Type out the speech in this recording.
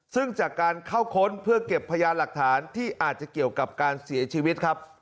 ซึ่งจากการเข้าค้นเพื่อเก็บพยานหลักฐานที่อาจจะเกี่ยวกับการเสียชีวิตครับ